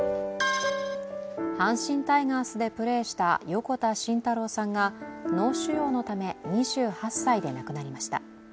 阪神タイガースでプレーした横田慎太郎さんが脳腫瘍のため２８歳で亡くなりました。